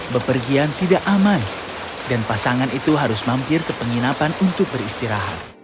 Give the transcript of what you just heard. bepergian tidak aman dan pasangan itu harus mampir ke penginapan untuk beristirahat